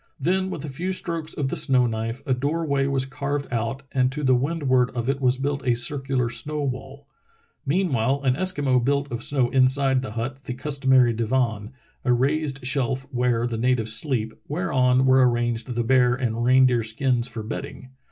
Then with a few strokes of the snow knife a door way was carved out and to the windward of it was built a circular snow wall. Meanwhile an Eskimo built of snow inside the hut the customary divan — a raised shelf where the natives sleep — whereon were arranged the bear and reindeer skins for bedding.